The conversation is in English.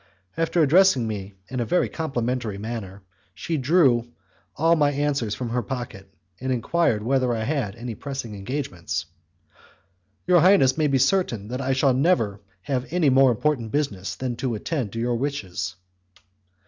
After addressing me in a very complimentary manner, she drew all my answers from her pocket, and enquired whether I had any pressing engagements. "Your highness may be certain that I shall never have any more important business than to attend to your wishes."